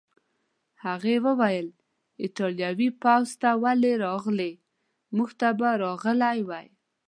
هغې وویل: ایټالوي پوځ ته ولې راغلې؟ موږ ته به راغلی وای.